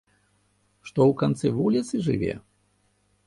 Што ў канцы вуліцы жыве?